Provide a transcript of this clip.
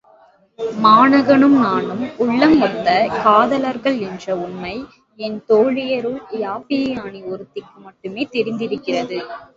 மாணகனும் நானும் உள்ளம் ஒத்த காதலர்கள் என்ற உண்மை என் தோழியருள் யாப்பியாயினி ஒருத்திக்கு மட்டுமே தெரிந்திருக்கிறது.